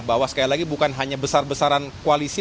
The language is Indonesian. bahwa sekali lagi bukan hanya besar besaran koalisi